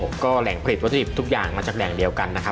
แล้วก็แหล่งผลิตวัตถุดิบทุกอย่างมาจากแหล่งเดียวกันนะครับ